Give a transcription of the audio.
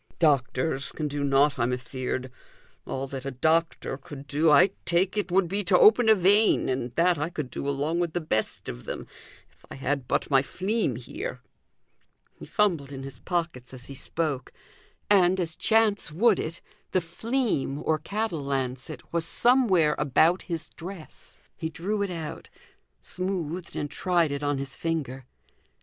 "Doctors can do nought, I'm afeard. All that a doctor could do, I take it, would be to open a vein, and that I could do along with the best of them, if I had but my fleam here." He fumbled in his pockets as he spoke, and, as chance would it, the "fleam" (or cattle lancet) was somewhere about his dress. He drew it out, smoothed and tried it on his finger.